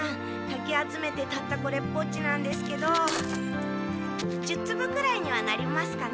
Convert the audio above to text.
かき集めてたったこれっぽっちなんですけど１０つぶくらいにはなりますかね？